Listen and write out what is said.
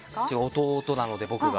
弟なので、僕が。